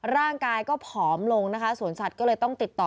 ร่างกายก็ผอมลงนะคะสวนสัตว์ก็เลยต้องติดต่อ